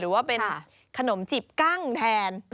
ว่าเป็นขนมจีบกั้งแทน